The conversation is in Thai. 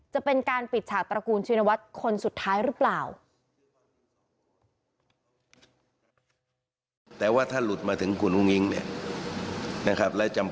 จะเป็นการปิดฉากตระกูลชินวัฒน์คนสุดท้ายหรือเปล่า